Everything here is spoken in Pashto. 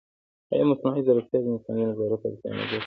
ایا مصنوعي ځیرکتیا د انساني نظارت اړتیا نه زیاتوي؟